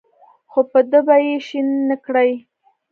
خو په ده به یې شین نکړې.